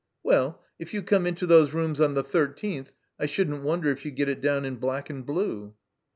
"Well — if you come into those rooms on the thirteenth I shouldn't wonder if you get it down in black and blue."